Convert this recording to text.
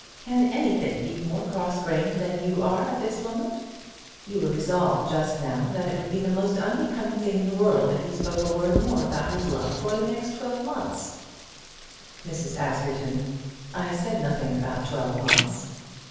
Can anything be more cross grained than you are at this moment? You were resolved just now that it would be the most unbecoming thing in the world if he spoke a word more about his love for the next twelve months " "Mrs. Askerton, I said nothing about twelve months."